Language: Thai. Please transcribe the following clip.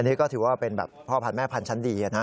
นี่ก็ถือว่าเป็นแบบพ่อพันธ์แม่พันธ์ชั้นดีนะ